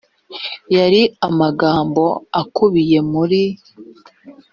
yari amagambo akubiye muri